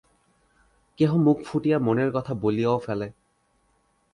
কেহ মুখ ফুটিয়া মনের কথা বলিয়াও ফেলে।